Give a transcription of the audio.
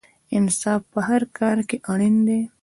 انصاف په هر کار کې اړین دی.